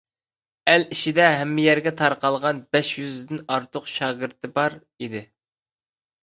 ئەل ئىچىدە ھەممە يەرگە تارقالغان بەش يۈزدىن ئارتۇق شاگىرتى بار ئىدى.